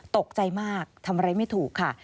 ตกใจมากทำอะไรไม่ถูกค่ะ